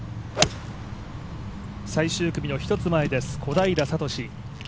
最終組の１つ前です小平智。